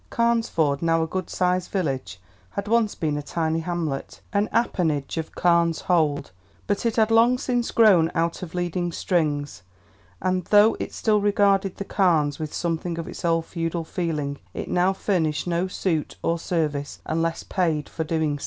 Carnesford, now a good sized village, had once been a tiny hamlet, an appanage of Carne's Hold, but it had long since grown out of leading strings, and though it still regarded The Carnes with something of its old feudal feeling, it now furnished no suit or service unless paid for so doing.